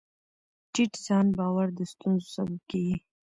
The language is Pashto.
ټیټ ځان باور د ستونزو سبب کېږي.